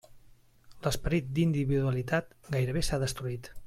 L'esperit d'individualitat gairebé s'ha destruït.